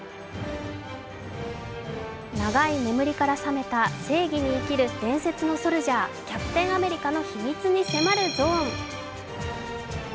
永い眠りから覚めた正義に生きる伝説のソルジャー、キャプテン・アメリカの秘密に迫るゾーン。